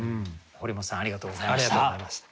堀本さんありがとうございました。